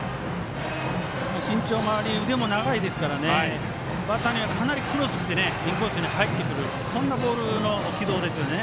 身長もあり腕も長いですからバッターには、かなりクロスしてインコースに入ってくるそんなボールの軌道ですよね。